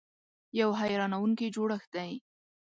یو حیرانونکی جوړښت دی .